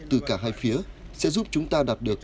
từ cả hai phía sẽ giúp chúng ta đạt được